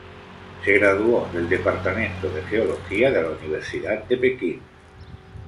Se graduó del departamento de geología de la Universidad de Pekín.